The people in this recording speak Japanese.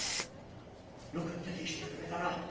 よく出てきてくれたな。